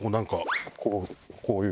こういう。